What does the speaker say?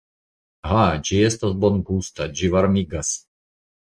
Ha, ĝi estas bongusta, ĝi varmigas!